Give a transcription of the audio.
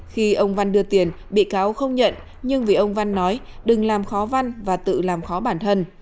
khi ông văn đưa tiền bị cáo không nhận nhưng vì ông văn nói đừng làm khó văn và tự làm khó bản thân